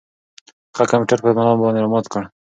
هغه کمپیوټر په ملا باندې را مات کړ.